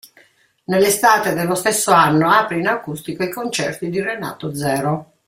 Nell'estate dello stesso anno apre in acustico i concerti di Renato Zero.